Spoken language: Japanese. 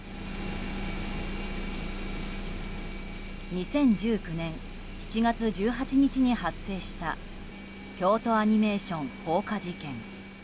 ２０１９年７月１８日に発生した京都アニメーション放火事件。